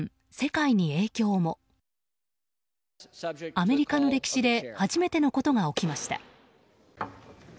アメリカの歴史で初めてのことが起きました。